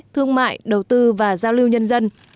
thương mại đầu tư và giao lưu nhân dân